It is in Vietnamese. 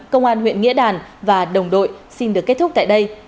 công an huyện nghĩa đàn và đồng đội xin được kết thúc tại đây